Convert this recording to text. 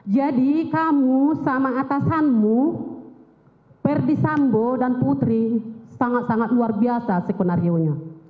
jadi kamu sama atasanmu perdisambo dan putri sangat sangat luar biasa sekonaryonya